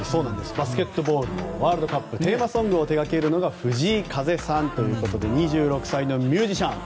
バスケットボールのワールドカップテーマソングを手掛けるのが藤井風さんということで２６歳のミュージシャン。